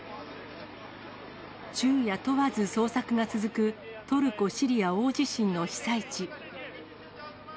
昼夜問わず捜索が続く、トルコ・シリア大地震の被災地。